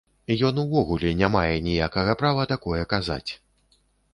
Ён увогуле не мае ніякага права такое казаць.